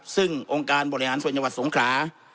ซึ่งองค์การบริหารส่วนจังหวัดสงขลา